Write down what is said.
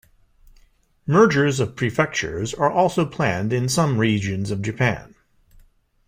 Mergers of prefectures are also planned in some regions of Japan.